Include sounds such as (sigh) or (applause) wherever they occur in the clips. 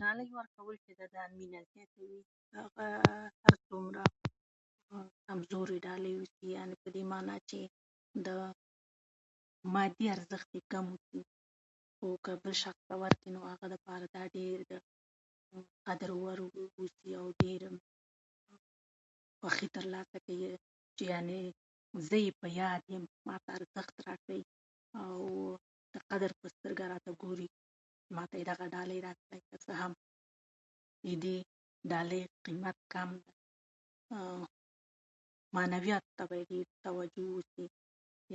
ډالۍ ورکول چې ده، دا مینه زیاتوي. که هغه هر څومره کمې وړې ډالۍ واوسي، یعنې په دې مانا چې مادي ارزښت یې کم واوسي، خو که بل شخص ته یې ورکړې، نو هغه ډېر د قدر وړ اوسي او ډېر د خوښي ترلاسه کوي، چې یعنې زه یې په یاد یم، ماته ارزښت راکوي، او د قدر په سترګه راته ګوري. ماته یې دغه ډالۍ راکړه، که څه هم د دې ډالۍ قیمت کم وي، معنوي ارزښت یې توجه وشي،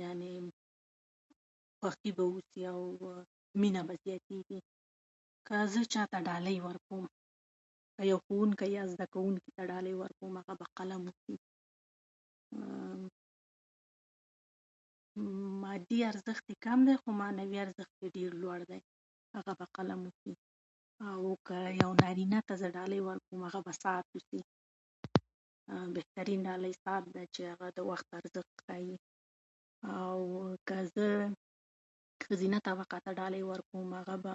یعنې (unintelligible) اوسي، او مینه به زیاتېږي. که زه چاته ډالۍ ورکوم، که یو ښوونکی یو زده کوونکي ته ډالۍ ورکوي، هغه به قلم وي، (hesitation) مادي ارزښت یې کم دی، خو معنوي ارزښت یې ډېر لوړ دی، هغه به قلم اوسي. او که یو نارینه ته زه ډالۍ ورکوم، هغه به ساعت اوسي. بهترینه ډالۍ ساعت ده چې هغه وخت ښيي. او که زه ښځینه طبقه ته ډالۍ ورکوم، هغه به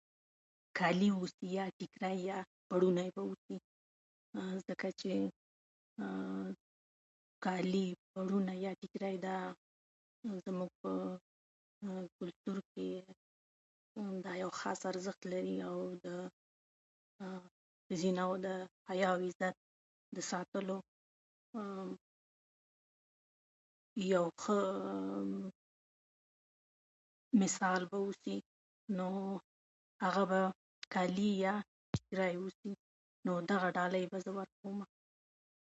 (hesitation) کالي واوسي، ټیکری یا پړونی واوسي، ځکه چې (hesitation) کالي، پړونی یا ټیکری، دغه زموږ په کلتور کې دا یو خاص ارزښت لري، او دا یو ښځینه‌وو د حیا او عزت د ساتلو یو ښه مثال به واوسي. نو هغه به کالي یا ټیکری واوسي. نو دغه ډالۍ به زه ورکومه.